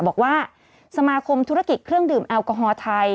บอกว่าสมาคมธุรกิจเครื่องดื่มแอลกอฮอล์ไทย